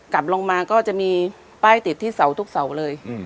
กลับลงมาก็จะมีป้ายติดที่เสาทุกเสาเลย